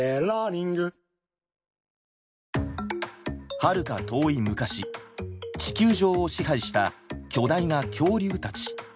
はるか遠い昔地球上を支配した巨大な恐竜たち。